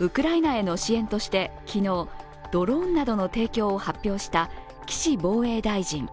ウクライナへの支援として昨日ドローンなどの提供を発表した岸防衛大臣。